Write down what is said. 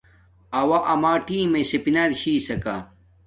اُݸ امݳ ٹݵمݵئ اِسپِنَر چھݵسَکݳ.